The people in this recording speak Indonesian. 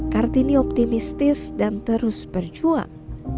kartini optimistis dan terus berjuang